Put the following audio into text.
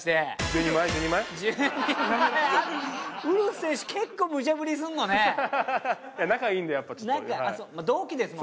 ウルフ選手結構ムチャぶりすんのね。